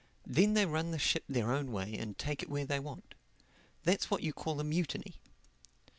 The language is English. Then they run the ship their own way and take it where they want. That's what you call a mutiny."